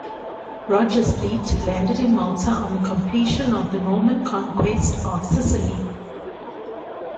Roger's fleet landed in Malta on the completion of the Norman conquest of Sicily.